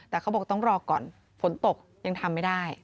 แต่เขาบอกต้องรอก่อนฝนตกยังทำไม่ได้